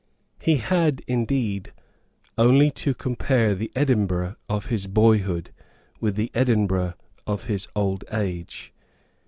He had, indeed, only to compare the Edinburgh of his boyhood with the Edinburgh of his old age.